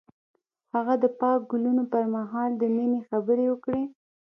هغه د پاک ګلونه پر مهال د مینې خبرې وکړې.